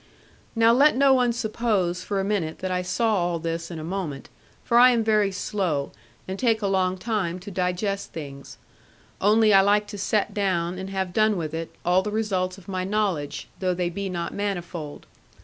Now let no one suppose for a minute that I saw all this in a moment; for I am very slow, and take a long time to digest things; only I like to set down, and have done with it, all the results of my knowledge, though they be not manifold.